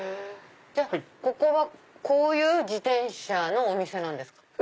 じゃあここはこういう自転車のお店なんですか？